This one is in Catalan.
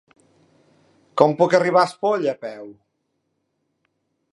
Com puc arribar a Espolla a peu?